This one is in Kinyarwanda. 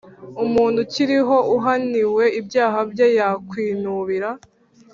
Umuntu ukiriho uhaniwe ibyaha bye Yakwinubira